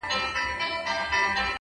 • چي له بې ميني ژونده ـ